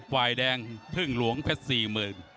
วายแดงเพิ่งหลวงแพทย์๔หมื่น